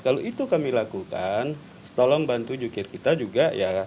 kalau itu kami lakukan tolong bantu jukir kita juga ya